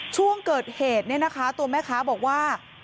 ช่วงเกิดเหตุเนี่ยนะคะตัวแม่ค้าบอกว่า